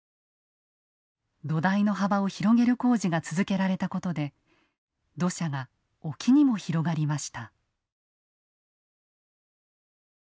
土台の幅を広げる工事が続けられたことで土砂が沖にも広がりました。